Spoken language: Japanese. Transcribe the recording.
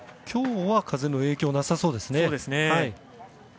今日は風の影響はなさそうですね。